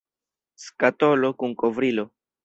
Skatolo kun kovrilo.